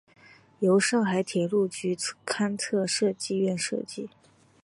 由上海铁路局勘测设计院设计。